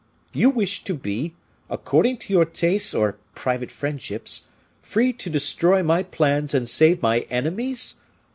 You wish to be, according to your tastes or private friendships, free to destroy my plans and save my enemies?